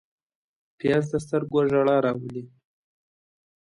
پیاز د سترګو ژړا راولي